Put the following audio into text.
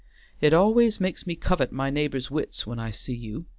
"It always makes me covet my neighbor's wits when I see you!"